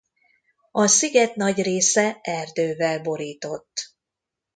A sziget nagy része erdővel borított.